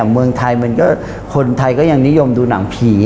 เมืองไทยมันก็คนไทยก็ยังนิยมดูหนังผี